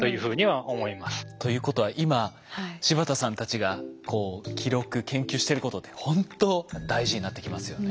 ということは今柴田さんたちが記録研究してることってほんと大事になってきますよね。